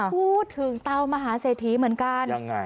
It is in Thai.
พูดถึงเตามหาเศรษฐีเหมือนกันยังไง